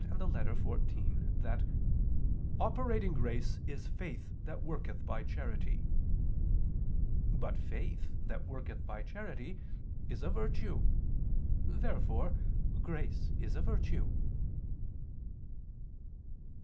et Lit. xiv) that "operating grace is faith that worketh by charity." But faith that worketh by charity is a virtue. Therefore grace is a virtue. Obj.